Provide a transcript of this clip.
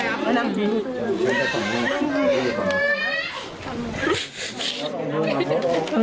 โอ้โหโอ้โห